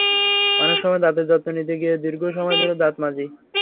অনেক সময় দাঁতের যত্ন নিতে গিয়ে দীর্ঘ সময় ধরে দাঁত মাজি।